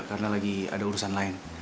karena lagi ada urusan lain